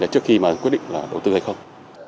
trước khi mà quyết định là đầu tư hay không